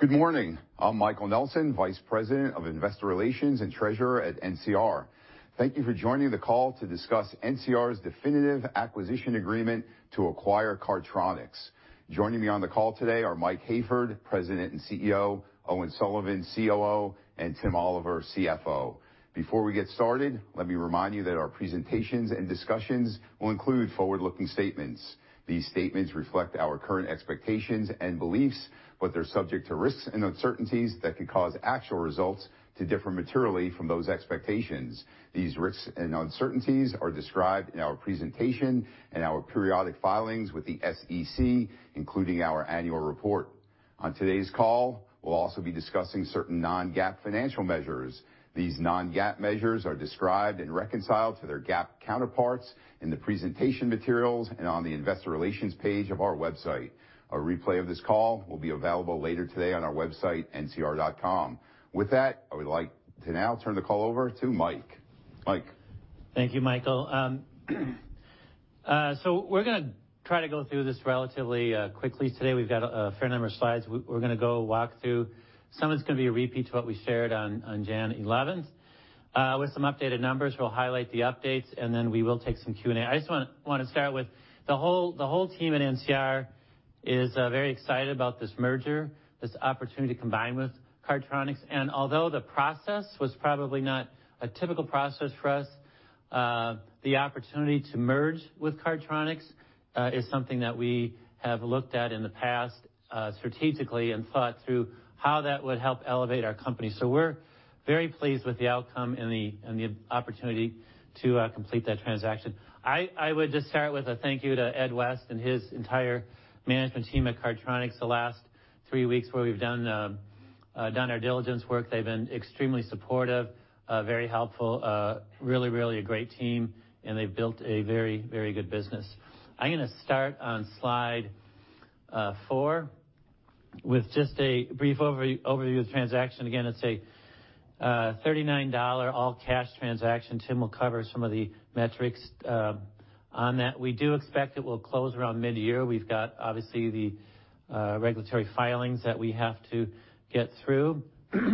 Good morning? I'm Michael Nelson, Vice President of Investor Relations and Treasurer at NCR. Thank you for joining the call to discuss NCR's definitive acquisition agreement to acquire Cardtronics. Joining me on the call today are Mike Hayford, President and Chief Executive Officer, Owen Sullivan, Chief Operating Officer, and Tim Oliver, Chief Financial Officer. Before we get started, let me remind you that our presentations and discussions will include forward-looking statements. These statements reflect our current expectations and beliefs, but they're subject to risks and uncertainties that could cause actual results to differ materially from those expectations. These risks and uncertainties are described in our presentation and our periodic filings with the SEC, including our annual report. On today's call, we'll also be discussing certain non-GAAP financial measures. These non-GAAP measures are described and reconciled to their GAAP counterparts in the presentation materials and on the investor relations page of our website. A replay of this call will be available later today on our website, ncr.com. With that, I would like to now turn the call over to Mike. Mike? Thank you, Michael Nelson. We're gonna try to go through this relatively quickly today. We've got a fair number of slides we're gonna walk through. Some of it's gonna be a repeat to what we shared on January 11th with some updated numbers. We'll highlight the updates, then we will take some Q&A. I just wanna start with the whole team at NCR is very excited about this merger, this opportunity to combine with Cardtronics. Although the process was probably not a typical process for us, the opportunity to merge with Cardtronics is something that we have looked at in the past strategically and thought through how that would help elevate our company. We're very pleased with the outcome and the opportunity to complete that transaction. I would just start with a thank you to Ed West and his entire management team at Cardtronics the last three weeks where we've done our diligence work. They've been extremely supportive, very helpful. Really a great team, and they've built a very good business. I'm gonna start on slide four with just a brief overview of the transaction. It's a $39 all-cash transaction. Tim will cover some of the metrics on that. We do expect it will close around mid-year. We've got, obviously, the regulatory filings that we have to get through.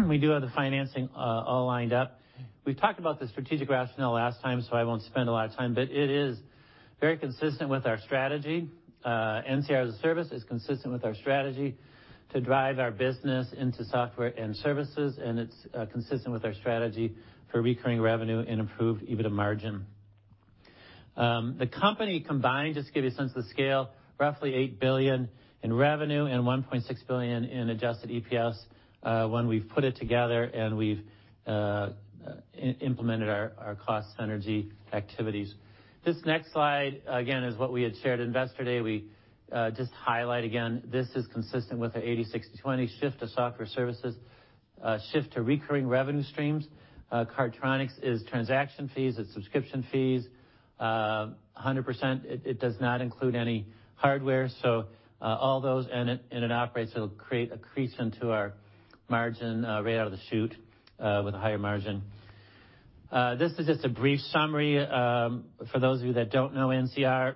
We do have the financing all lined up. We've talked about the strategic rationale last time, I won't spend a lot of time, it is very consistent with our strategy. NCR as a service is consistent with our strategy to drive our business into software and services, and it's consistent with our strategy for recurring revenue and improve EBITDA margin. The company combined, just to give you a sense of the scale, roughly $8 billion in revenue and $1.6 billion in adjusted EBITDA, when we've put it together and we've implemented our cost synergy activities. This next slide, again, is what we had shared at Investor Day. We just highlight again, this is consistent with the 80/60/20 shift to software services, a shift to recurring revenue streams. Cardtronics is transaction fees, it's subscription fees, 100%. It does not include any hardware, so all those, and it operates, it'll create accretion to our margin right out of the chute with a higher margin. This is just a brief summary for those of you that don't know NCR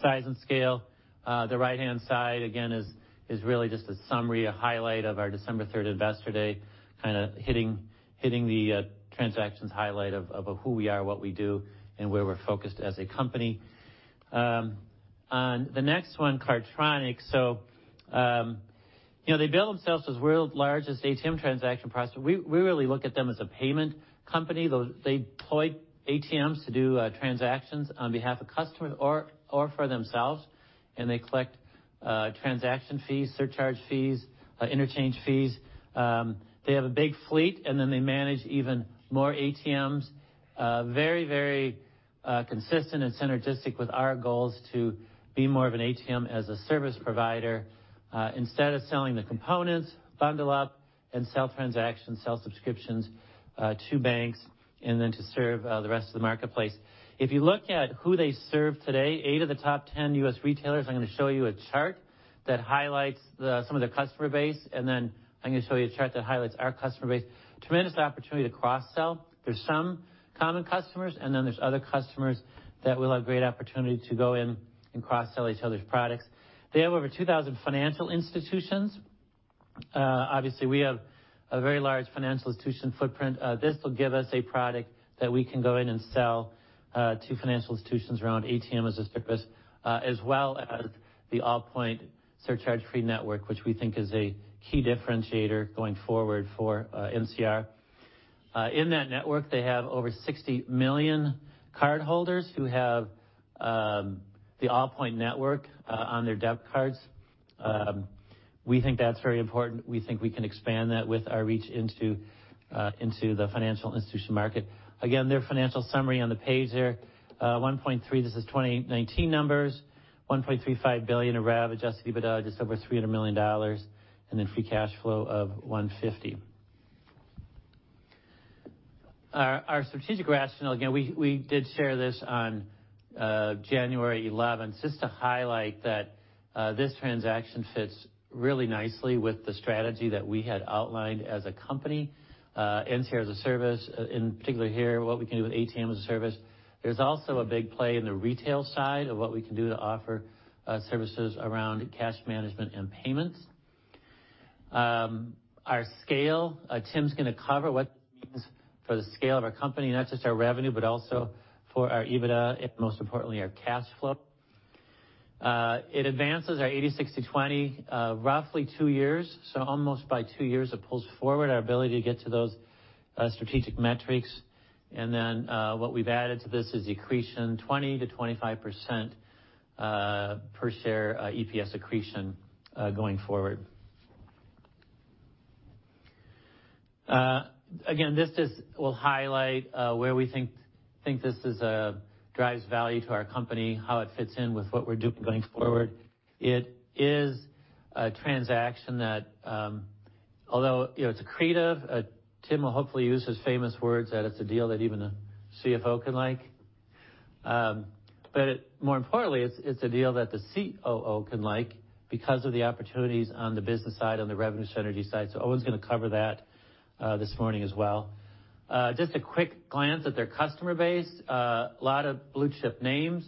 size and scale. The right-hand side, again, is really just a summary, a highlight of our December 3 Investor Day, kind of hitting the transactions highlight of who we are, what we do, and where we're focused as a company. On the next one, Cardtronics. You know, they bill themselves as world's largest ATM transaction processor. We really look at them as a payment company. Though they deploy ATMs to do transactions on behalf of customers or for themselves, and they collect transaction fees, surcharge fees, interchange fees. They have a big fleet, and then they manage even more ATMs. Very, very consistent and synergistic with our goals to be more of an ATM-as-a-service provider. Instead of selling the components, bundle up and sell transactions, sell subscriptions to banks, and then to serve the rest of the marketplace. If you look at who they serve today, eight of the top 10 U.S. retailers, I'm gonna show you a chart that highlights some of their customer base, and then I'm gonna show you a chart that highlights our customer base. Tremendous opportunity to cross-sell. There's some common customers, and then there's other customers that we'll have great opportunity to go in and cross-sell each other's products. They have over 2,000 financial institutions. Obviously, we have a very large financial institution footprint. This will give us a product that we can go in and sell to financial institutions around ATM as a service, as well as the Allpoint surcharge-free network, which we think is a key differentiator going forward for NCR. In that network, they have over 60 million cardholders who have the Allpoint network on their debit cards. We think that's very important. We think we can expand that with our reach into the financial institution market. Again, their financial summary on the page there. $1.3 billion, this is 2019 numbers, $1.35 billion of rev, adjusted EBITDA just over $300 million, and then free cash flow of $150 million. Our strategic rationale, again, we did share this on January 11th, just to highlight that, this transaction fits really nicely with the strategy that we had outlined as a company, NCR as a service, in particular here, what we can do with ATM as a service. There's also a big play in the retail side of what we can do to offer services around cash management and payments. Our scale, Tim's gonna cover what this means for the scale of our company, not just our revenue, but also for our EBITDA and most importantly, our cash flow. It advances our 80/60/20, roughly two years, so almost by two years, it pulls forward our ability to get to those strategic metrics. What we've added to this is accretion, 20%-25%, per share, EPS accretion, going forward. Again, this just will highlight where we think this is, drives value to our company, how it fits in with what we're going forward. It is a transaction that, although, you know, it's accretive, Tim will hopefully use his famous words that it's a deal that even a Chief Financial Officer can like. It, more importantly, it's a deal that the Chief Operating Officer can like because of the opportunities on the business side, on the revenue synergy side. Owen's gonna cover that this morning as well. Just a quick glance at their customer base. A lot of blue-chip names,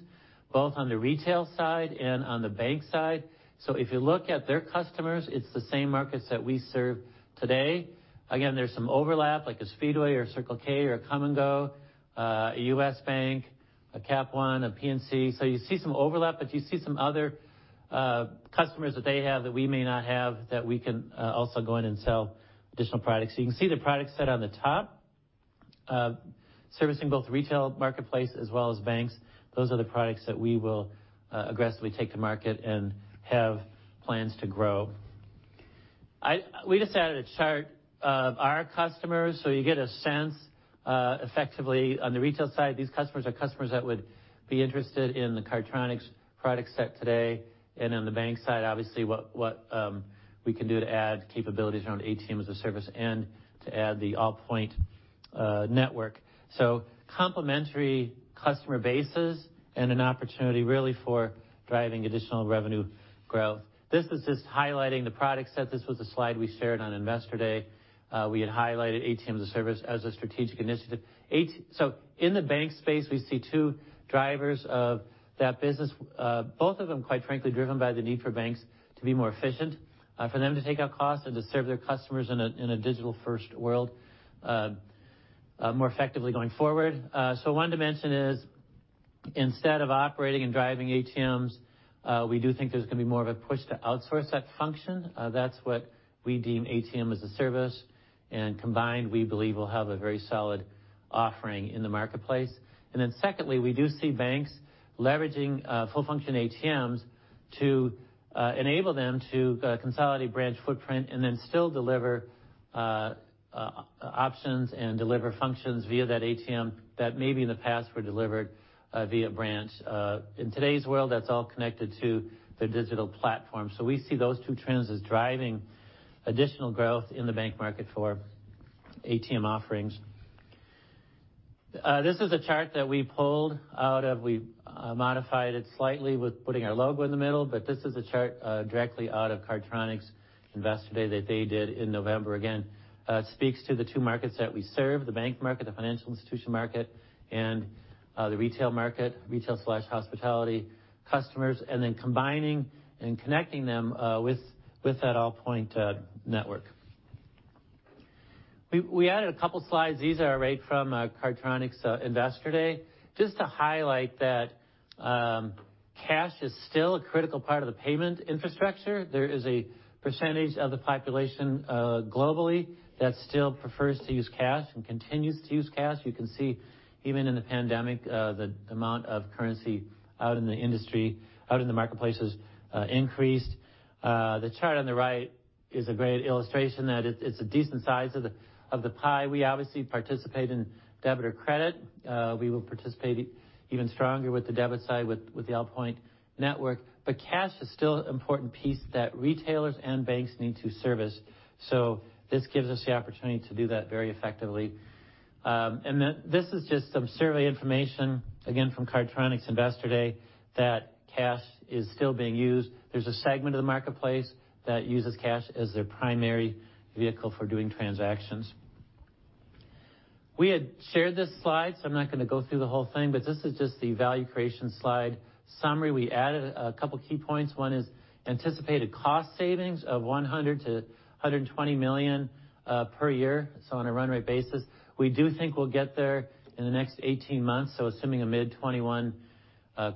both on the retail side and on the bank side. If you look at their customers, it's the same markets that we serve today. Again, there's some overlap, like a Speedway or a Circle K or a Kum & Go, a U.S. Bank, a [Capital One], a PNC. You see some overlap, but you see some other customers that they have that we may not have that we can also go in and sell additional products. You can see the product set on the top, servicing both retail marketplace as well as banks. Those are the products that we will aggressively take to market and have plans to grow. We just added a chart of our customers, so you get a sense, effectively on the retail side, these customers are customers that would be interested in the Cardtronics product set today. On the bank side, obviously, what, we can do to add capabilities around ATM as a service and to add the Allpoint network. Complementary customer bases and an opportunity really for driving additional revenue growth. This is just highlighting the product set. This was a slide we shared on Investor Day. We had highlighted ATM as a service as a strategic initiative. So in the bank space, we see two drivers of that business, both of them quite frankly driven by the need for banks to be more efficient, for them to take out costs and to serve their customers in a digital-first world more effectively going forward. So one dimension is instead of operating and driving ATMs, we do think there's gonna be more of a push to outsource that function. That's what we deem ATM as a service, and combined, we believe we'll have a very solid offering in the marketplace. Secondly, we do see banks leveraging full-function ATMs to enable them to consolidate branch footprint and then still deliver options and deliver functions via that ATM that maybe in the past were delivered via branch. In today's world, that's all connected to their digital platform. We see those two trends as driving additional growth in the bank market for ATM offerings. This is a chart that we pulled out of, we modified it slightly with putting our logo in the middle, but this is a chart directly out of Cardtronics Investor Day that they did in November. Again, speaks to the two markets that we serve, the bank market, the financial institution market, and the retail market, retail/hospitality customers, and then combining and connecting them with that Allpoint network. We added a couple slides. These are right from Cardtronics Investor Day, just to highlight that cash is still a critical part of the payment infrastructure. There is a percentage of the population globally that still prefers to use cash and continues to use cash. You can see even in the pandemic, the amount of currency out in the industry, out in the marketplaces, increased. The chart on the right is a great illustration that it's a decent size of the pie. We obviously participate in debit or credit. We will participate even stronger with the debit side with the Allpoint network. Cash is still an important piece that retailers and banks need to service. This gives us the opportunity to do that very effectively. This is just some survey information, again, from Cardtronics Investor Day, that cash is still being used. There's a segment of the marketplace that uses cash as their primary vehicle for doing transactions. We had shared this slide, so I'm not gonna go through the whole thing, but this is just the value creation slide summary. We added a couple key points. One is anticipated cost savings of $100 million-$120 million per year, so on a run rate basis. We do think we'll get there in the next 18 months. Assuming a mid 2021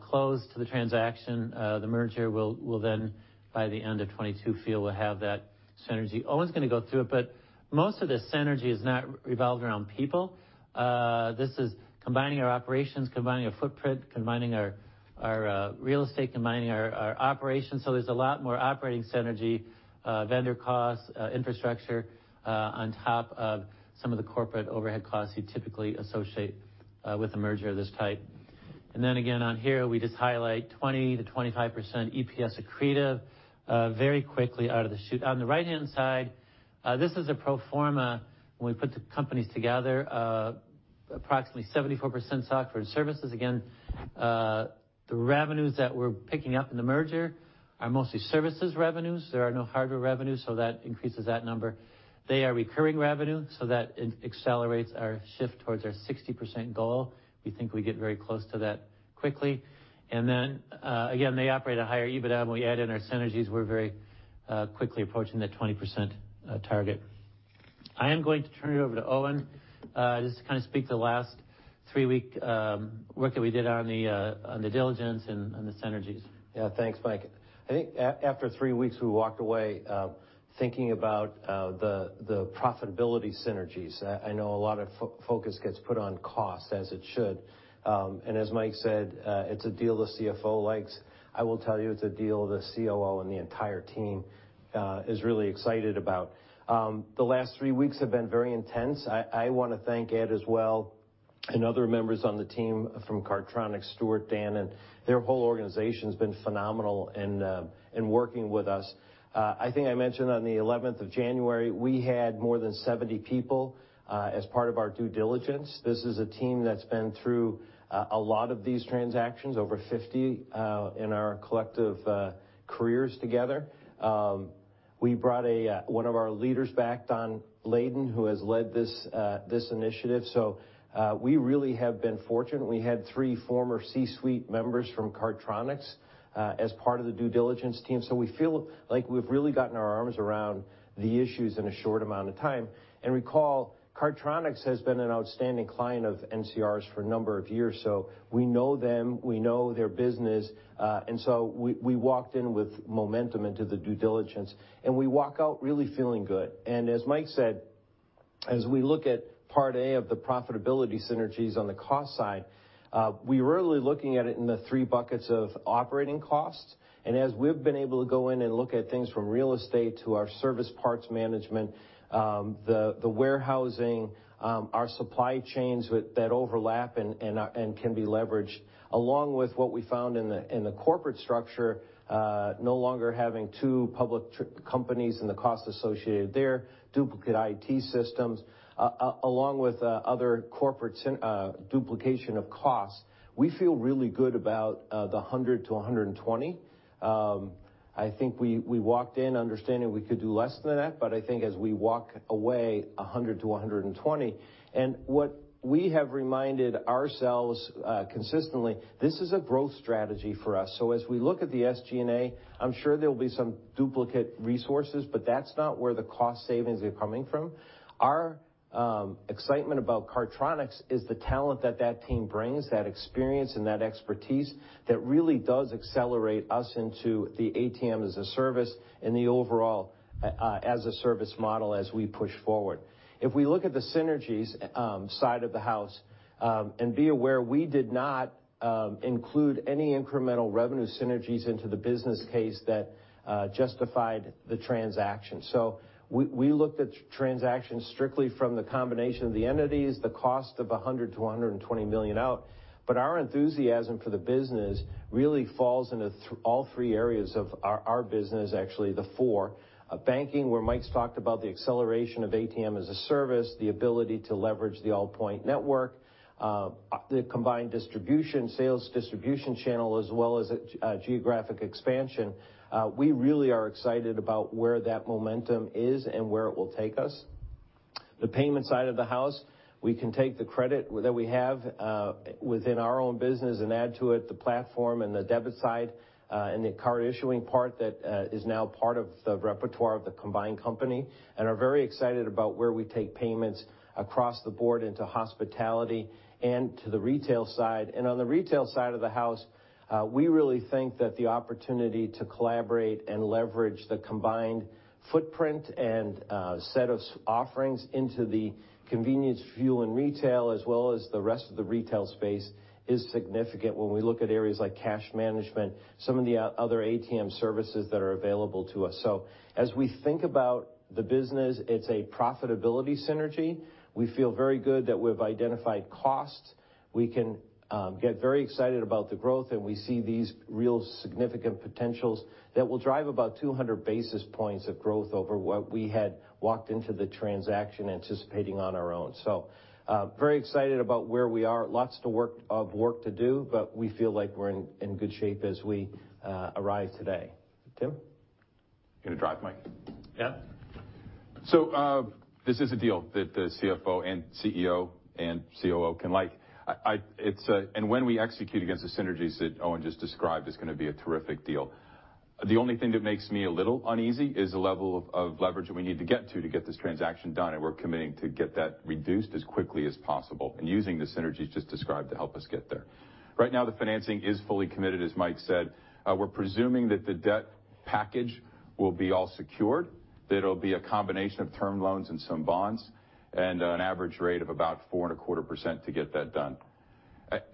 close to the transaction, the merger will then by the end of 2022 feel we'll have that synergy. Owen's gonna go through it, but most of the synergy is not revolved around people. This is combining our operations, combining our footprint, combining our real estate, combining our operations. There's a lot more operating synergy, vendor costs, infrastructure, on top of some of the corporate overhead costs you typically associate with a merger of this type. Again on here, we just highlight 20%-25% EPS accretive very quickly out of the chute. On the right-hand side, this is a pro forma when we put the companies together. Approximately 74% software and services. Again, the revenues that we're picking up in the merger are mostly services revenues. There are no hardware revenues, so that increases that number. They are recurring revenue, so that accelerates our shift towards our 60% goal. We think we get very close to that quickly. Again, they operate at a higher EBITDA, when we add in our synergies, we're very quickly approaching the 20% target. I am going to turn it over to Owen, just to kind of speak to the last three-week work that we did on the diligence and the synergies. Yeah. Thanks, Mike. I think after three weeks, we walked away thinking about the profitability synergies. I know a lot focus gets put on cost, as it should. As Mike said, it's a deal the Chief Financial Officer likes. I will tell you, it's a deal the Chief Operating Officer and the entire team is really excited about. The last three weeks have been very intense. I wanna thank Ed West as well, and other members on the team from Cardtronics, Stuart, Dan, and their whole organization's been phenomenal in working with us. I think I mentioned on the 11th of January, we had more than 70 people as part of our due diligence. This is a team that's been through a lot of these transactions, over 50 in our collective careers together. We brought one of our leaders back, Don Layden, who has led this initiative. We really have been fortunate. We had three former C-suite members from Cardtronics as part of the due diligence team. We feel like we've really gotten our arms around the issues in a short amount of time. Recall, Cardtronics has been an outstanding client of NCR's for a number of years, so we know them, we know their business. We walked in with momentum into the due diligence, and we walk out really feeling good. As Mike said, as we look at part A of the profitability synergies on the cost side, we're really looking at it in the three buckets of operating costs. As we've been able to go in and look at things from real estate to our service parts management, the warehousing, our supply chains with that overlap and can be leveraged, along with what we found in the corporate structure, no longer having two public companies and the cost associated there, duplicate IT systems, along with other corporate duplication of costs, we feel really good about the $100-$120. I think we walked in understanding we could do less than that, but I think as we walk away, $100-$120. What we have reminded ourselves consistently, this is a growth strategy for us. As we look at the SG&A, I'm sure there will be some duplicate resources, but that's not where the cost savings are coming from. Our excitement about Cardtronics is the talent that that team brings, that experience and that expertise that really does accelerate us into the ATM as a service and the overall as a service model as we push forward. If we look at the synergies side of the house, and be aware, we did not include any incremental revenue synergies into the business case that justified the transaction. We looked at transactions strictly from the combination of the entities, the cost of $100 million-$120 million out. Our enthusiasm for the business really falls into all three areas of our business, actually the four. Banking, where Mike's talked about the acceleration of ATM as a service, the ability to leverage the Allpoint network, the combined distribution, sales distribution channel, as well as a geographic expansion. We really are excited about where that momentum is and where it will take us. The payment side of the house, we can take the credit that we have within our own business and add to it the platform and the debit side and the card issuing part that is now part of the repertoire of the combined company, and are very excited about where we take payments across the board into hospitality and to the retail side. On the retail side of the house, we really think that the opportunity to collaborate and leverage the combined footprint and set of offerings into the convenience, fuel, and retail, as well as the rest of the retail space, is significant when we look at areas like cash management, some of the other ATM services that are available to us. As we think about the business, it's a profitability synergy. We feel very good that we've identified costs. We can get very excited about the growth, and we see these real significant potentials that will drive about 200 basis points of growth over what we had walked into the transaction anticipating on our own. Very excited about where we are. Lots of work to do, but we feel like we're in good shape as we arrive today. Tim? You gonna drive, Mike? Yeah. This is a deal that the Chief Financial Officer and Chief Executive Officer and Chief Operating Officer can like. When we execute against the synergies that Owen just described, it's gonna be a terrific deal. The only thing that makes me a little uneasy is the level of leverage that we need to get to to get this transaction done, and we're committing to get that reduced as quickly as possible and using the synergies just described to help us get there. Right now, the financing is fully committed, as Mike said. We're presuming that the debt package will be all secured, that it'll be a combination of term loans and some bonds and an average rate of about 4.25% to get that done.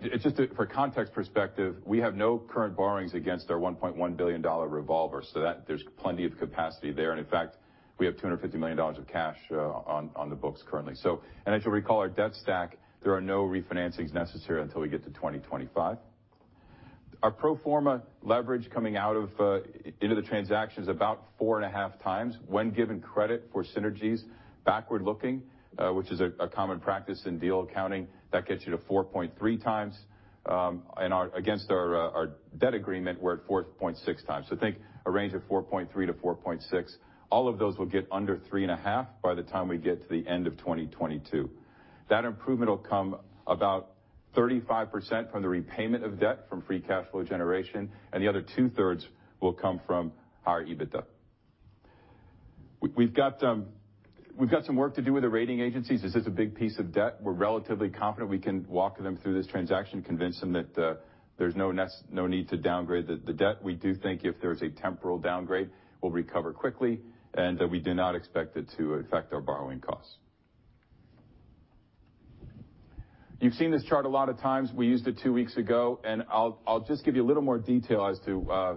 It's just that for context perspective, we have no current borrowings against our $1.1 billion revolver, so that there's plenty of capacity there. In fact, we have $250 million of cash on the books currently. As you'll recall, our debt stack, there are no re-financings necessary until we get to 2025. Our pro forma leverage coming out of into the transaction is about 4.5x when given credit for synergies. Backward-looking, which is a common practice in deal accounting, that gets you to 4.3x. Against our debt agreement, we're at 4.6x. Think a range of 4.3x-4.6x. All of those will get under 3.5x by the time we get to the end of 2022. That improvement will come about 35% from the repayment of debt from free cash flow generation, and the other 2/3 will come from our EBITDA. We've got some work to do with the rating agencies. This is a big piece of debt. We're relatively confident we can walk them through this transaction, convince them that there's no need to downgrade the debt. We do think if there's a temporal downgrade, we'll recover quickly, and we do not expect it to affect our borrowing costs. You've seen this chart a lot of times. We used it two weeks ago, and I'll just give you a little more detail as to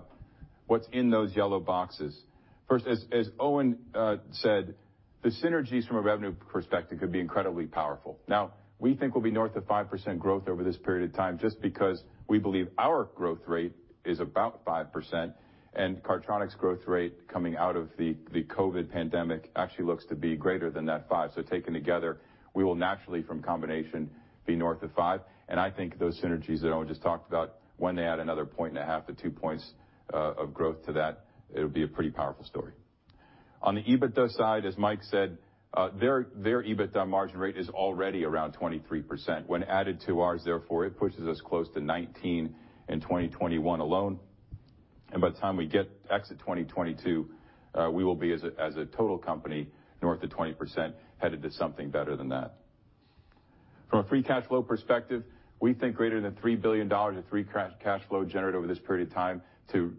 what's in those yellow boxes. First, as Owen said, the synergies from a revenue perspective could be incredibly powerful. We think we'll be north of 5% growth over this period of time just because we believe our growth rate is about 5%, and Cardtronics' growth rate coming out of the COVID pandemic actually looks to be greater than that 5%. Taken together, we will naturally from combination be north of 5%, and I think those synergies that Owen just talked about, when they add another 1.5 points-2 points of growth to that, it'll be a pretty powerful story. On the EBITDA side, as Mike said, their EBITDA margin rate is already around 23%. When added to ours, therefore, it pushes us close to 19% in 2021 alone. By the time we get exit 2022, we will be as a total company north of 20%, headed to something better than that. From a free cash flow perspective, we think greater than $3 billion of free cash flow generated over this period of time to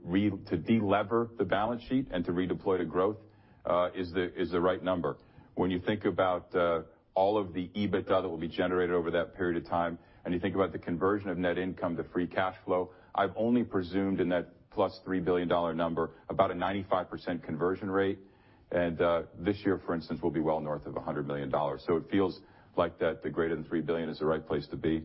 de-lever the balance sheet and to redeploy to growth is the right number. When you think about all of the EBITDA that will be generated over that period of time, and you think about the conversion of net income to free cash flow, I've only presumed in that +$3 billion number about a 95% conversion rate. This year, for instance, we'll be well north of $100 million. It feels like that the greater than $3 billion is the right place to be.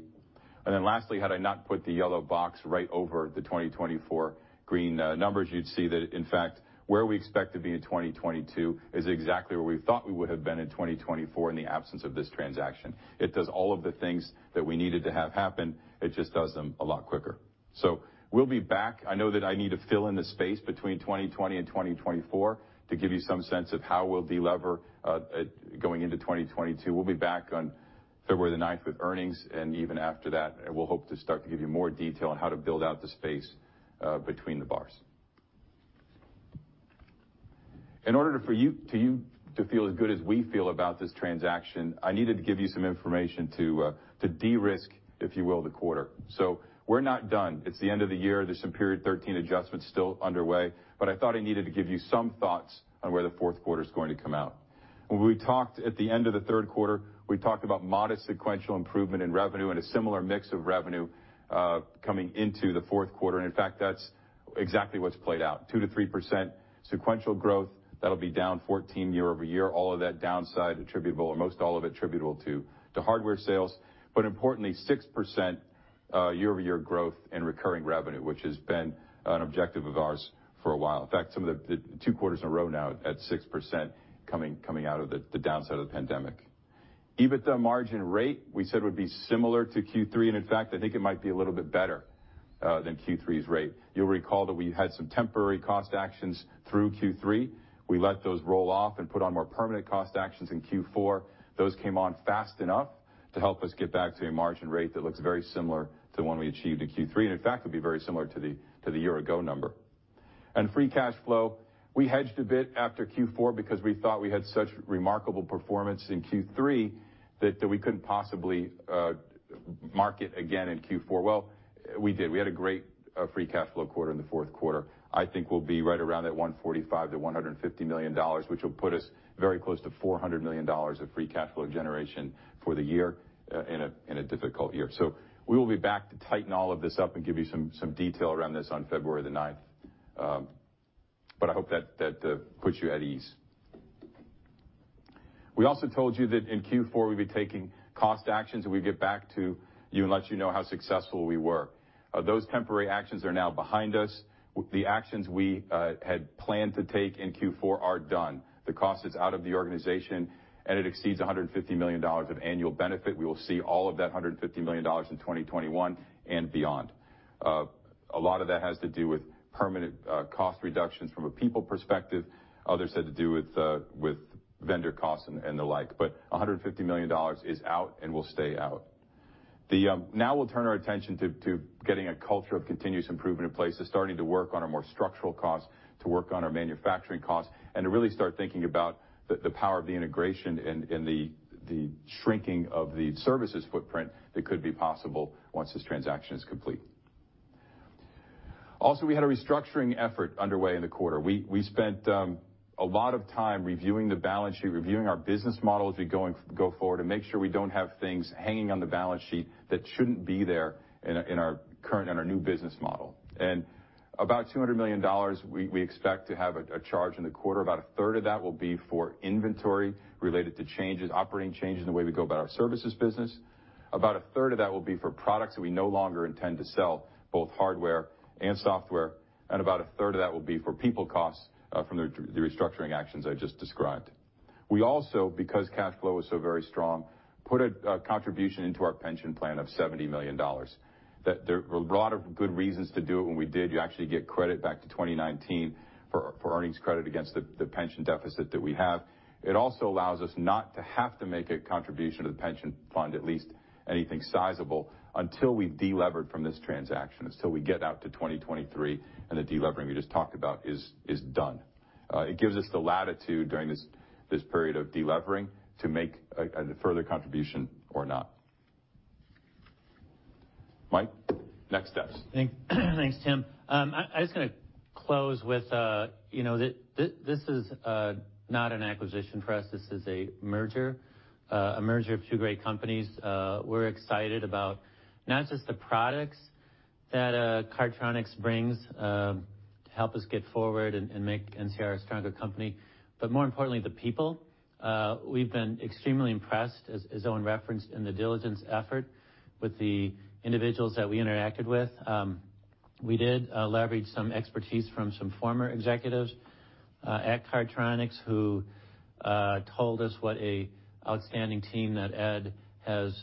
Lastly, had I not put the yellow box right over the 2024 green numbers, you'd see that, in fact, where we expect to be in 2022 is exactly where we thought we would have been in 2024 in the absence of this transaction. It does all of the things that we needed to have happen. It just does them a lot quicker. We'll be back. I know that I need to fill in the space between 2020 and 2024 to give you some sense of how we'll de-lever going into 2022. We'll be back on February 9 with earnings, and even after that, we'll hope to start to give you more detail on how to build out the space between the bars. In order for you to feel as good as we feel about this transaction, I needed to give you some information to de-risk, if you will, the quarter. We're not done. It's the end of the year. There's some period 13 adjustments still underway, but I thought I needed to give you some thoughts on where the fourth quarter is going to come out. When we talked at the end of the third quarter, we talked about modest sequential improvement in revenue and a similar mix of revenue coming into the fourth quarter. In fact, that's exactly what's played out. 2%-3% sequential growth. That'll be down 14% year-over-year. All of that downside attributable or most all of it attributable to hardware sales. Importantly, 6% year-over-year growth in recurring revenue, which has been an objective of ours for a while. In fact, two quarters in a row now at 6% coming out of the downside of the Pandemic. EBITDA margin rate we said would be similar to Q3, and in fact, I think it might be a little bit better than Q3's rate. You'll recall that we had some temporary cost actions through Q3. We let those roll off and put on more permanent cost actions in Q4. Those came on fast enough to help us get back to a margin rate that looks very similar to the one we achieved in Q3, and in fact, would be very similar to the year-ago number. Free cash flow, we hedged a bit after Q4 because we thought we had such remarkable performance in Q3 that we couldn't possibly market again in Q4. We did. We had a great free cash flow quarter in the fourth quarter. I think we'll be right around that $145 million-$150 million, which will put us very close to $400 million of free cash flow generation for the year in a difficult year. We will be back to tighten all of this up and give you some detail around this on February 9. I hope that puts you at ease. We also told you that in Q4, we'd be taking cost actions, and we'd get back to you and let you know how successful we were. Those temporary actions are now behind us. The actions we had planned to take in Q4 are done. The cost is out of the organization, and it exceeds $150 million of annual benefit. We will see all of that $150 million in 2021 and beyond. A lot of that has to do with permanent cost reductions from a people perspective. Others had to do with vendor costs and the like. A hundred and fifty million dollars is out and will stay out. Now we'll turn our attention to getting a culture of continuous improvement in place and starting to work on our more structural costs, to work on our manufacturing costs, and to really start thinking about the power of the integration and the shrinking of the services footprint that could be possible once this transaction is complete. Also, we had a restructuring effort underway in the quarter. We spent a lot of time reviewing the balance sheet, reviewing our business model as we go forward and make sure we don't have things hanging on the balance sheet that shouldn't be there in our current and our new business model. About $200 million, we expect to have a charge in the quarter. About a 1/3 of that will be for inventory related to changes, operating changes in the way we go about our services business. About a 1/3 of that will be for products that we no longer intend to sell, both hardware and software. About a 1/3 Of that will be for people costs from the restructuring actions I just described. We also, because cash flow is so very strong, put a contribution into our pension plan of $70 million. That there were a lot of good reasons to do it when we did. You actually get credit back to 2019 for earnings credit against the pension deficit that we have. It also allows us not to have to make a contribution to the pension fund, at least anything sizable, until we've delever from this transaction, until we get out to 2023, and the delevering we just talked about is done. It gives us the latitude during this period of delevering to make a further contribution or not. Mike, next steps. Thanks. Thanks, Tim. I was going to close with, you know, this is not an acquisition for us. This is a merger, a merger of two great companies. We're excited about not just the products that Cardtronics brings to help us get forward and make NCR a stronger company, but more importantly, the people. We've been extremely impressed, as Owen referenced in the diligence effort, with the individuals that we interacted with. We did leverage some expertise from some former executives at Cardtronics who told us what a outstanding team that Ed has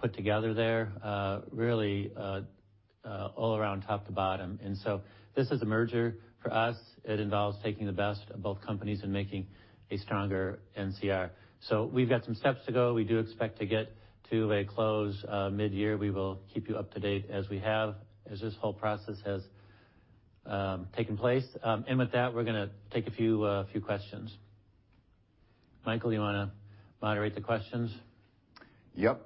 put together there, really all around top to bottom. This is a merger. For us, it involves taking the best of both companies and making a stronger NCR. We've got some steps to go. We do expect to get to a close, midyear. We will keep you up to date as we have, as this whole process has taken place. With that, we're gonna take a few questions. Michael, you wanna moderate the questions? Yep.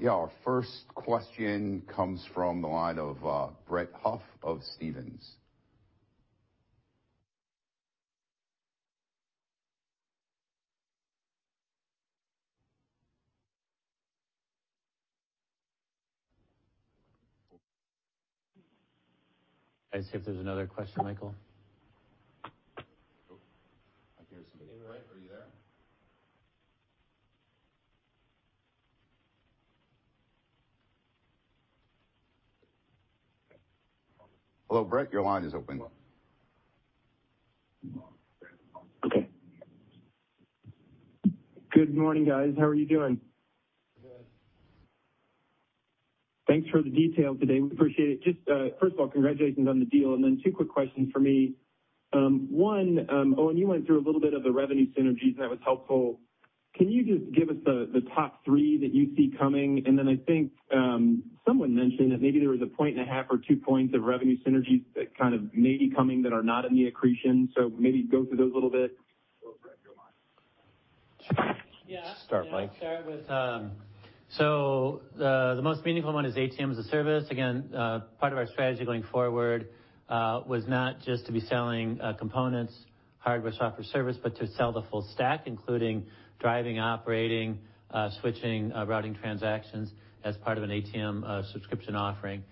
Yeah, our first question comes from the line of, Brett Huff of Stephens. Let's see if there's another question, Michael. Oh. I hear somebody. Brett, are you there? Hello, Brett, your line is open. Okay. Good morning, guys. How are you doing? Good. Thanks for the detail today. We appreciate it. Just, first of all, congratulations on the deal, two quick questions from me. One, Owen, you went through a little bit of the revenue synergies, and that was helpful. Can you just give us the top three that you see coming? I think someone mentioned that maybe there was a point and a half or two points of revenue synergies that kind of may be coming that are not in the accretion. Maybe go through those a little bit. Go ahead, your line. Yeah. Start, Mike. Yeah, I'll start with the most meaningful one is ATM as a service. Again, part of our strategy going forward was not just to be selling components, hardware, software, service, but to sell the full stack, including driving, operating, switching, routing transactions as part of an ATM subscription offering.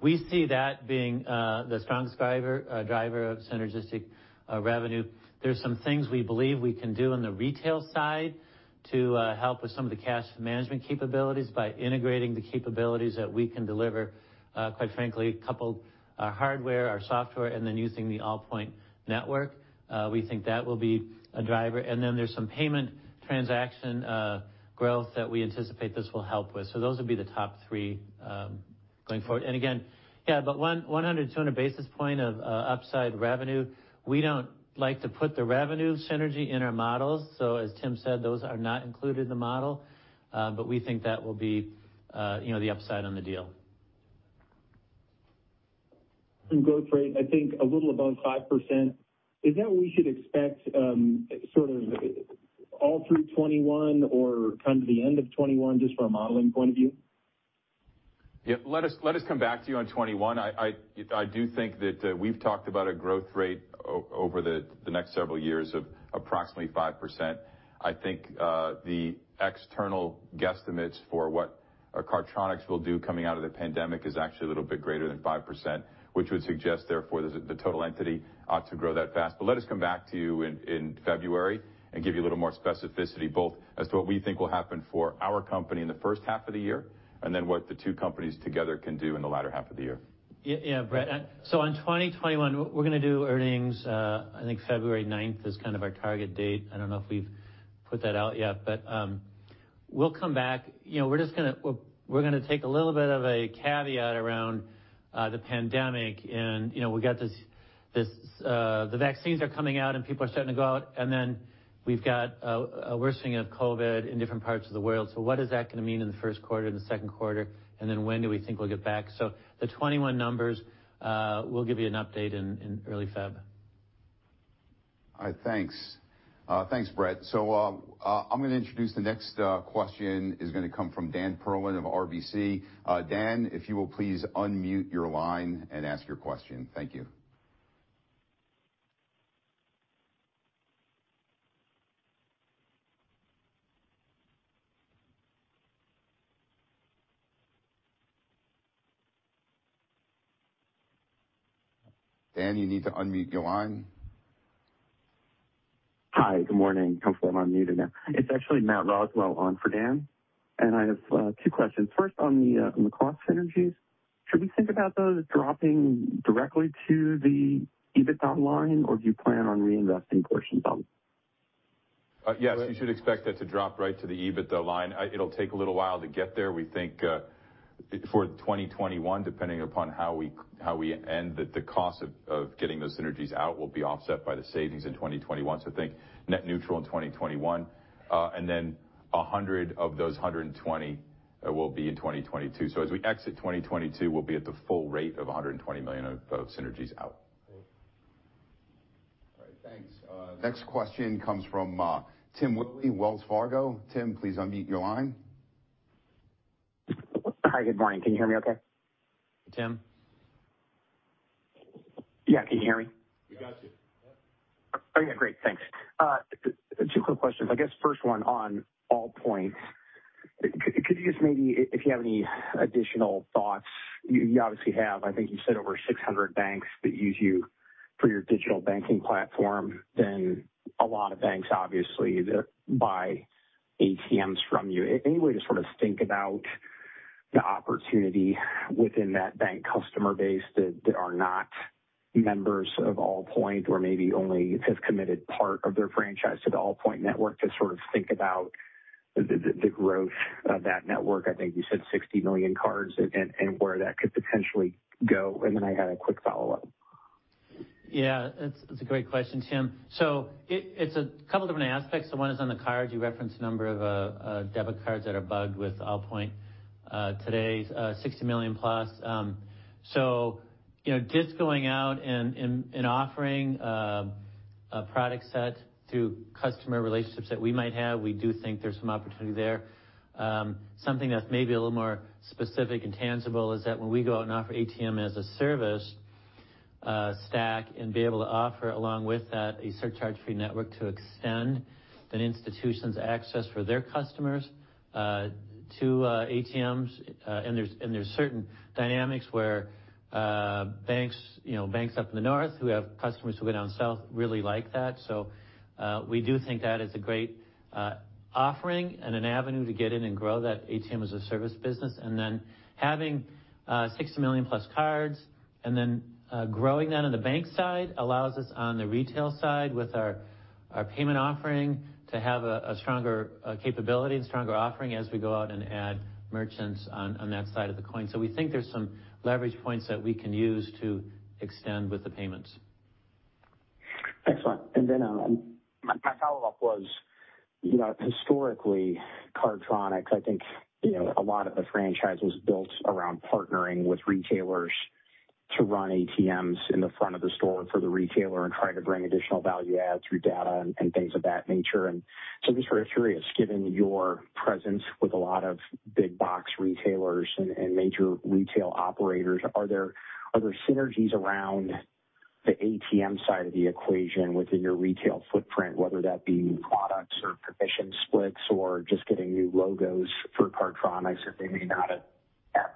We see that being the strongest driver of synergistic revenue. There's some things we believe we can do on the retail side to help with some of the cash management capabilities by integrating the capabilities that we can deliver, quite frankly, couple our hardware, our software, and then using the Allpoint network. We think that will be a driver. There's some payment transaction growth that we anticipate this will help with. Those would be the top three going forward. Again, yeah, 100 to 200 basis points of upside revenue. We don't like to put the revenue synergy in our models, so as Tim said, those are not included in the model. We think that will be, you know, the upside on the deal. In growth rate, I think a little above 5%. Is that what we should expect, sort of all through 2021 or kind of the end of 2021, just from a modeling point of view? Yeah, let us come back to you on 2021. I do think that we've talked about a growth rate over the next several years of approximately 5%. I think the external guesstimates for what Cardtronics will do coming out of the pandemic is actually a little bit greater than 5%, which would suggest therefore the total entity ought to grow that fast. Let us come back to you in February and give you a little more specificity, both as to what we think will happen for our company in the first half of the year, and then what the two companies together can do in the latter half of the year. Yeah, yeah, Brett, on 2021, we're gonna do earnings, I think February ninth is kind of our target date. I don't know if we've put that out yet, we'll come back. You know, we're gonna take a little bit of a caveat around the pandemic and, you know, we've got this, the vaccines are coming out and people are starting to go out, we've got a worsening of COVID in different parts of the world. What is that gonna mean in the first quarter and the second quarter? When do we think we'll get back? The 2021 numbers, we'll give you an update in early February. All right. Thanks. Thanks, Brett. I'm going to introduce the next question is going to come from Dan Perlin of RBC. Dan, if you will please unmute your line and ask your question. Thank you. Dan, you need to unmute your line. Hi, good morning? I'm full unmuted now. It's actually Matt Roswell on for Dan, and I have two questions. First, on the cost synergies, should we think about those dropping directly to the EBITDA line, or do you plan on reinvesting a portion of them? Yes, you should expect that to drop right to the EBITDA line. It'll take a little while to get there. We think, for 2021, depending upon how we end the cost of getting those synergies out will be offset by the savings in 2021. I think net neutral in 2021, and then $100 million of those $120 million will be in 2022. As we exit 2022, we'll be at the full rate of $120 million of synergies out. Great. All right. Thanks, Matt. Next question comes from Timothy Willi, Wells Fargo. Tim, please unmute your line. Hi, good morning? Can you hear me okay? Tim? Yeah, can you hear me? We got you. Oh, yeah, great. Thanks. Two quick questions. I guess first one on Allpoint. Could you just maybe if you have any additional thoughts, you obviously have, I think you said over 600 banks that use you for your digital banking platform, then a lot of banks obviously that buy ATMs from you. Any way to sort of think about the opportunity within that bank customer base that are not members of Allpoint or maybe only have committed part of their franchise to the Allpoint network to sort of think about the growth of that network. I think you said 60 million cards and where that could potentially go, and then I got a quick follow-up. Yeah, it's a great question, Tim. It's a couple different aspects. One is on the card. You referenced a number of debit cards that are bugged with Allpoint today, 60 million+. You know, just going out and offering a product set through customer relationships that we might have, we do think there's some opportunity there. Something that's maybe a little more specific and tangible is that when we go out and offer ATM as a service stack and be able to offer along with that a surcharge-free network to extend an institution's access for their customers to ATMs. And there's certain dynamics where banks, you know, banks up in the north who have customers who go down south really like that. We do think that is a great offering and an avenue to get in and grow that ATM as a service business. Having 60 million+ cards and then growing that on the bank side allows us on the retail side with our payment offering to have a stronger capability and stronger offering as we go out and add merchants on that side of the coin. We think there's some leverage points that we can use to extend with the payments. Excellent. My, my follow-up was, you know, historically, Cardtronics, I think, you know, a lot of the franchise was built around partnering with retailers to run ATMs in the front of the store for the retailer and try to bring additional value add through data and things of that nature. I'm just sort of curious, given your presence with a lot of big box retailers and major retail operators, are there synergies around the ATM side of the equation within your retail footprint, whether that be new products or proficient splits or just getting new logos for Cardtronics that they may not have had?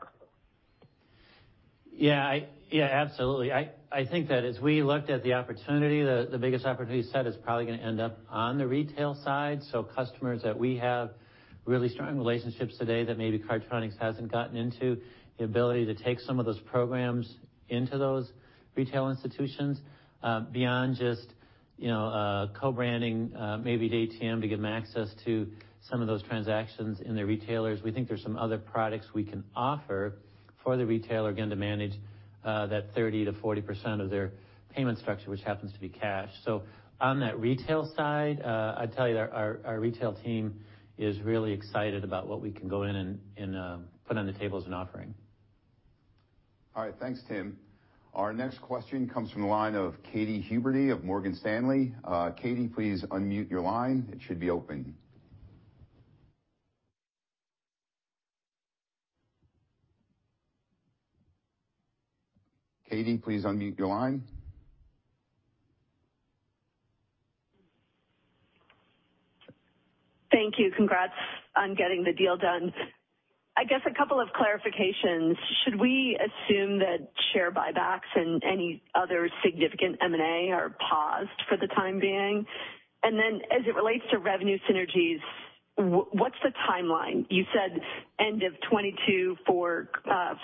Yeah, absolutely. I think that as we looked at the opportunity, the biggest opportunity set is probably going to end up on the retail side. Customers that we have really strong relationships today that maybe Cardtronics hasn't gotten into, the ability to take some of those programs into those retail institutions, beyond just, you know, co-branding, maybe the ATM to give them access to some of those transactions in their retailers. We think there's some other products we can offer for the retailer, again, to manage that 30%-40% of their payment structure, which happens to be cash. On that retail side, I'd tell you that our retail team is really excited about what we can go in and put on the tables and offering. All right. Thanks, Tim. Our next question comes from the line of Katy Huberty of Morgan Stanley. Katy, please unmute your line. It should be open. Katy, please unmute your line. Thank you. Congrats on getting the deal done. I guess a couple of clarifications. Should we assume that share buybacks and any other significant M&A are paused for the time being? Then as it relates to revenue synergies, what's the timeline? You said end of 2022 for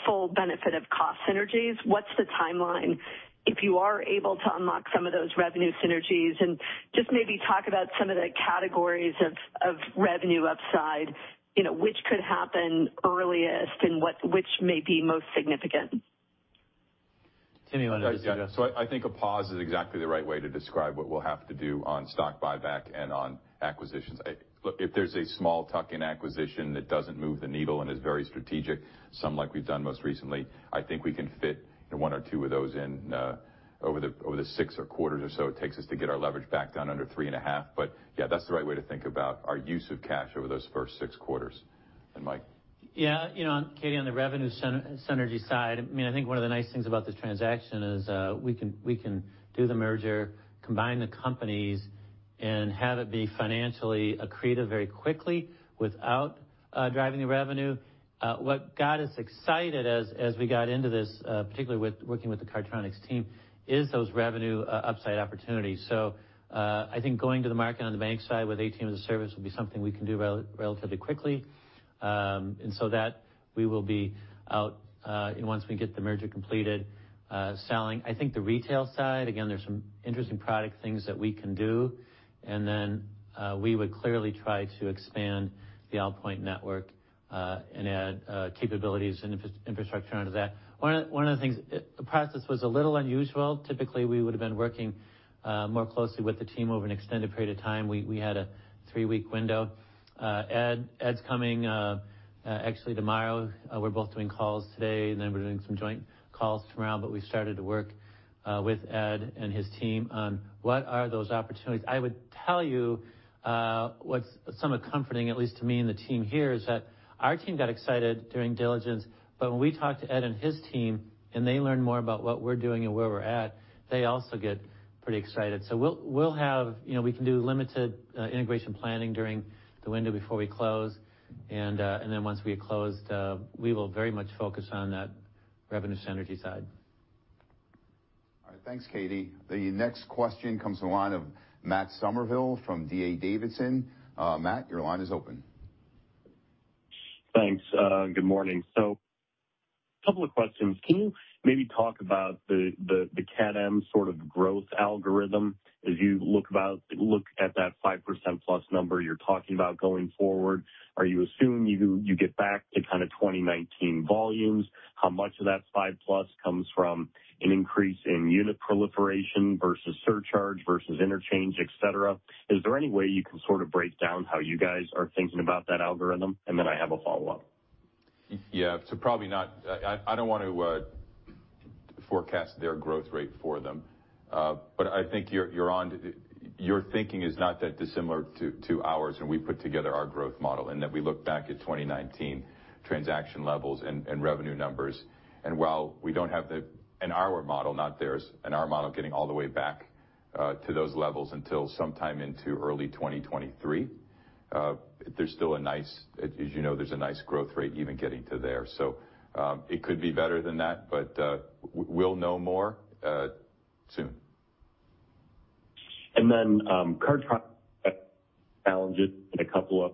full benefit of cost synergies. What's the timeline if you are able to unlock some of those revenue synergies? Just maybe talk about some of the categories of revenue upside, you know, which could happen earliest and which may be most significant. Tim, you wanna address that? Yes. I think a pause is exactly the right way to describe what we'll have to do on stock buyback and on acquisitions. Look, if there's a small tuck-in acquisition that doesn't move the needle and is very strategic, some like we've done most recently, I think we can fit, you know, one or two of those in over the six or so quarters or so it takes us to get our leverage back down under 3.5. Yeah, that's the right way to think about our use of cash over those first six quarters. Mike? Yeah, you know, Katy, on the revenue synergy side, I mean, I think one of the nice things about this transaction is we can do the merger, combine the companies, and have it be financially accretive very quickly without driving the revenue. What got us excited as we got into this, particularly with working with the Cardtronics team, is those revenue upside opportunities. I think going to the market on the bank side with ATM as a service will be something we can do relatively quickly. That we will be out, once we get the merger completed, selling. I think the retail side, again, there's some interesting product things that we can do, and then, we would clearly try to expand the Allpoint network, and add capabilities and infrastructure onto that. One of the things, the process was a little unusual. Typically, we would have been working more closely with the team over an extended period of time. We had a three-week window. Ed's coming actually tomorrow. Then we're both doing calls today, we're doing some joint calls tomorrow. We started to work with Ed and his team on what are those opportunities. I would tell you, what's somewhat comforting, at least to me and the team here, is that our team got excited during diligence, when we talked to Ed and his team, they learn more about what we're doing and where we're at, they also get pretty excited. We'll have, you know, we can do limited integration planning during the window before we close, and then once we have closed, we will very much focus on that revenue synergy side. All right. Thanks, Katy. The next question comes from the line of Matt Summerville from D.A. Davidson. Matt, your line is open. Thanks, good morning? Couple of questions. Can you maybe talk about the Cardtronics sort of growth algorithm as you look at that 5% plus number you're talking about going forward? Are you assuming you get back to kind of 2019 volumes? How much of that 5+ comes from an increase in unit proliferation versus surcharge versus interchange, et cetera? Is there any way you can sort of break down how you guys are thinking about that algorithm? I have a follow-up. Yeah. Probably not. I don't want to forecast their growth rate for them. But I think your thinking is not that dissimilar to ours when we put together our growth model, in that we look back at 2019 transaction levels and revenue numbers. While we don't have the in our model, not theirs, in our model, getting all the way back to those levels until sometime into early 2023. There's still a nice, as you know, there's a nice growth rate even getting to there. It could be better than that, but we'll know more soon. Cardtronics had challenges in a couple of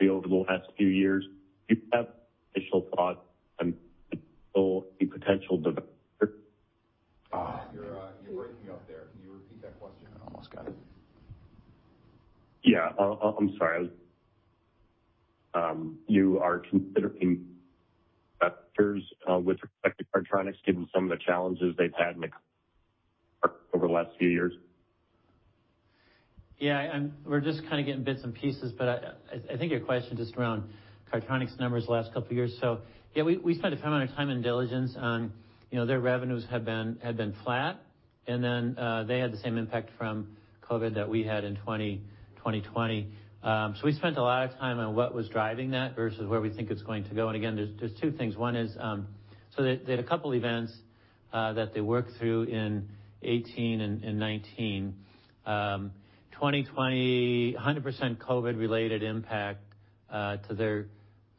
over the last few years. Do you have initial thoughts on potential developer? Matt, you're breaking up there. Can you repeat that question? I almost got it. Yeah. I'm sorry. You are considering investors, with respect to Cardtronics given some of the challenges they've had over the last few years. We're just kind of getting bits and pieces. I think your question just around Cardtronics numbers the last two years. We spent a fair amount of time in diligence on, you know, their revenues had been flat. They had the same impact from COVID that we had in 2020. We spent a lot of time on what was driving that versus where we think it's going to go. Again, there's two things. One is, they had two events that they worked through in 2018 and 2019. 2020, a 100% COVID-related impact to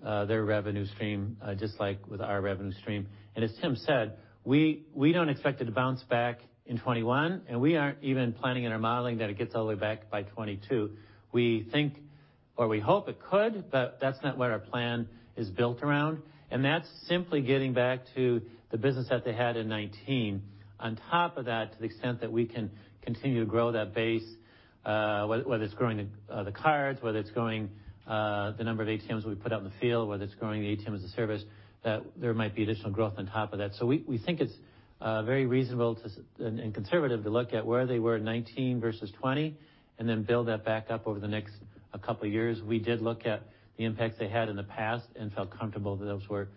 their revenue stream, just like with our revenue stream. As Tim said, we don't expect it to bounce back in 2021, we aren't even planning in our modeling that it gets all the way back by 2022. We think or we hope it could, but that's not what our plan is built around. That's simply getting back to the business that they had in 2019. On top of that, to the extent that we can continue to grow that base, whether it's growing the cards, whether it's growing the number of ATMs we put out in the field, whether it's growing the ATM as a service, there might be additional growth on top of that. We think it's very reasonable and conservative to look at where they were in 2019 versus 2020 and then build that back up over the next couple of years. We did look at the impacts they had in the past and felt comfortable that those were,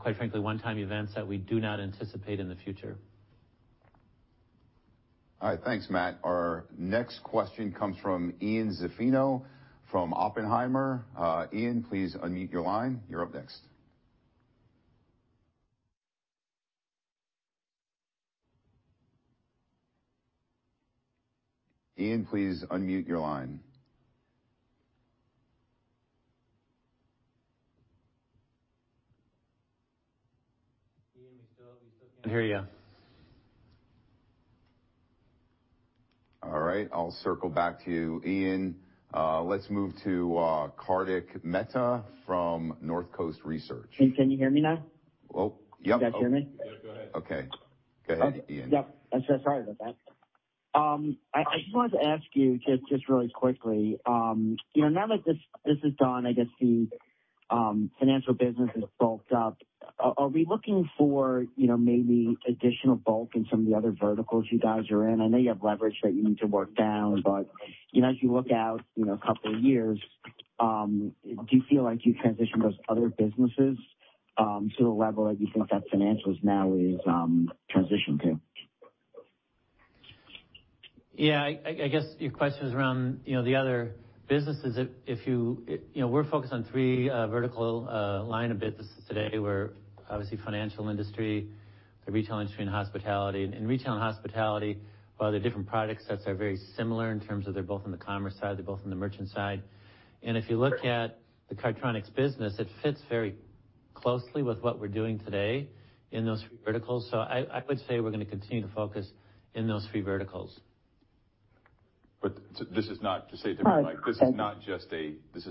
quite frankly, one-time events that we do not anticipate in the future. All right. Thanks, Matt. Our next question comes from Ian Zaffino from Oppenheimer. Ian, please unmute your line. You're up next. Ian, please unmute your line. Ian, we still can't hear you. I hear you. All right. I'll circle back to you, Ian. Let's move to, Kartik Mehta from Northcoast Research. Can you hear me now? Oh, yep. You guys hear me? Yeah, go ahead. Okay. Go ahead, Ian. Yep. I'm so sorry about that. I just wanted to ask you just really quickly, you know, now that this is done, I guess the financial business is bulked up, are we looking for, you know, maybe additional bulk in some of the other verticals you guys are in? I know you have leverage that you need to work down, but, you know, as you look out, you know, in a couple years, do you feel like you transitioned those other businesses to the level that you think that financials now is transitioned to? Yeah, I guess your question is around, you know, the other businesses that if you know, we're focused on three vertical line of businesses today. We're obviously financial industry, the retail industry, and hospitality. In retail and hospitality, while their different product sets are very similar in terms of they're both on the commerce side, they're both on the merchant side. If you look at the Cardtronics business, it fits very closely with what we're doing today in those three verticals. I would say we're gonna continue to focus in those three verticals. This is not to say. All right. This is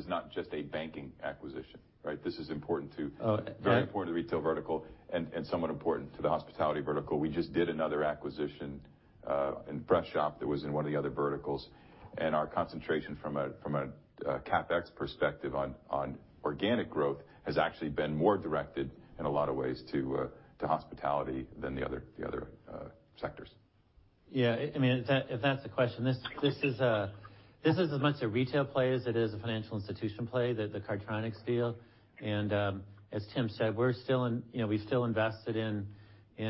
not just a banking acquisition, right? This is important to- Oh, and- Very important to retail vertical and somewhat important to the hospitality vertical. We just did another acquisition in Freshop that was in one of the other verticals. Our concentration from a CapEx perspective on organic growth has actually been more directed in a lot of ways to hospitality than the other sectors. Yeah, I mean, if that, if that's the question, this is as much a retail play as it is a financial institution play, the Cardtronics deal. As Tim said, you know, we still invested in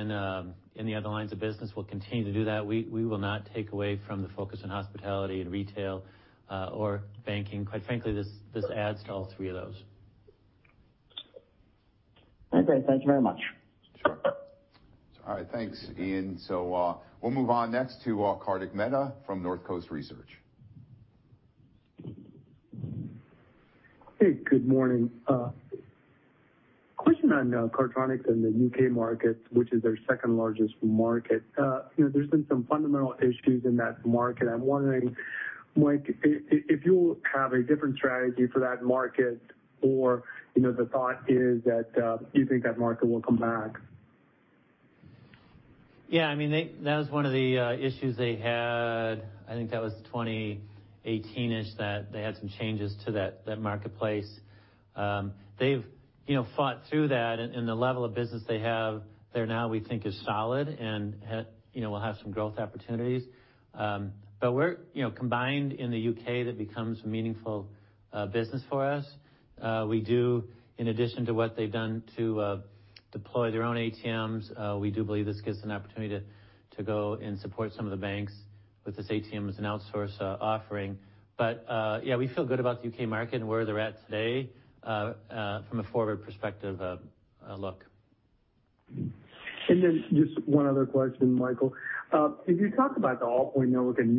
the other lines of business. We'll continue to do that. We will not take away from the focus on hospitality and retail or banking. Quite frankly, this adds to all three of those. Okay, thank you very much. Sure. All right, thanks, Ian. We'll move on next to Kartik Mehta from Northcoast Research. Hey, good morning? Question on Cardtronics in the U.K. market, which is their second-largest market. You know, there's been some fundamental issues in that market. I'm wondering, Mike, if you have a different strategy for that market or, you know, the thought is that you think that market will come back. Yeah, I mean, that was one of the issues they had. I think that was 2018-ish that they had some changes to that marketplace. They've, you know, fought through that, and the level of business they have there now we think is solid and, you know, will have some growth opportunities. We're, you know, combined in the U.K. that becomes meaningful business for us. We do in addition to what they've done to deploy their own ATMs, we do believe this gives an opportunity to go and support some of the banks with this ATMs and outsource offering. Yeah, we feel good about the U.K. market and where they're at today from a forward perspective, look. Just one other question, Michael. If you talk about the Allpoint network and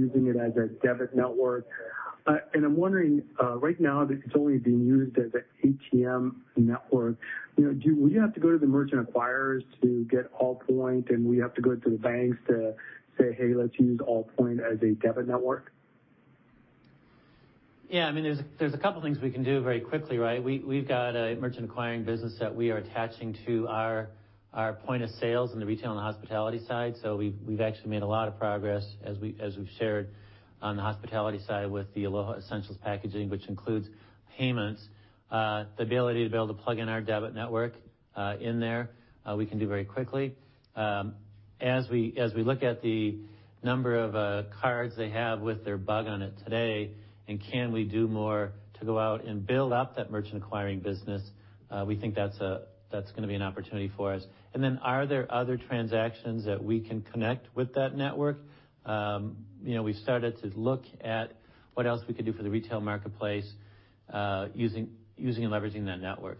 using it as a debit network, I'm wondering, right now this is only being used as an ATM network. You know, will you have to go to the merchant acquirers to get Allpoint, and will you have to go to the banks to say, hey, let's use Allpoint as a debit network? I mean, there's a couple things we can do very quickly, right? We've got a merchant acquiring business that we are attaching to our point of sales in the retail and hospitality side. We've actually made a lot of progress as we've shared on the hospitality side with the Aloha Essentials packaging, which includes payments. The ability to be able to plug in our debit network in there, we can do very quickly. As we look at the number of cards they have with their bug on it today, and can we do more to go out and build up that merchant acquiring business, we think that's gonna be an opportunity for us. Are there other transactions that we can connect with that network? You know, we started to look at what else we could do for the retail marketplace, using and leveraging that network.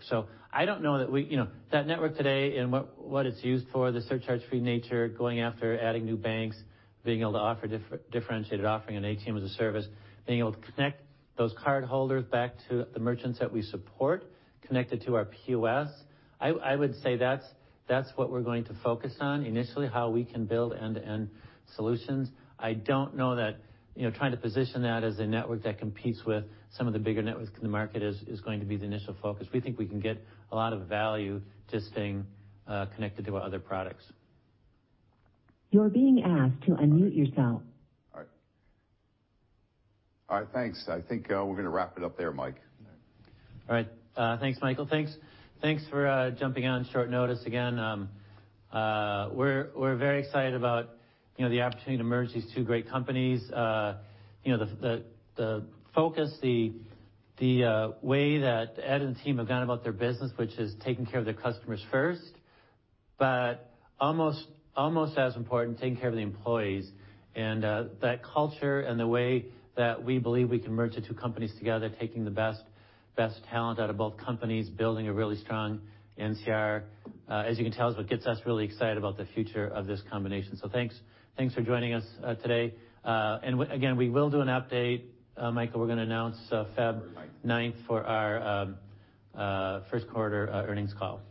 I don't know that we, you know, that network today and what it's used for, the surcharge-free nature, going after adding new banks, being able to offer differentiated offering on ATM as a service, being able to connect those cardholders back to the merchants that we support, connect it to our POS. I would say that's what we're going to focus on initially, how we can build end-to-end solutions. I don't know that, you know, trying to position that as a network that competes with some of the bigger networks in the market is going to be the initial focus. We think we can get a lot of value just staying connected to our other products. You're being asked to unmute yourself. All right. All right, thanks. I think, we're gonna wrap it up there, Mike. All right. Thanks, Michael. Thanks for jumping on short notice again. We're very excited about, you know, the opportunity to merge these two great companies. You know, the focus, the way that Ed and team have gone about their business, which is taking care of their customers first, but almost as important, taking care of the employees. That culture and the way that we believe we can merge the two companies together, taking the best talent out of both companies, building a really strong NCR, as you can tell, is what gets us really excited about the future of this combination. Thanks for joining us today. Again, we will do an update, Michael, we're gonna announce February 9 for our first quarter earnings call.